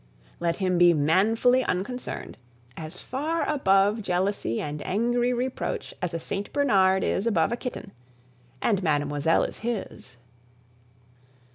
Let him be manfully unconcerned; as far above jealousy and angry reproach as a St. Bernard is above a kitten and Mademoiselle is his.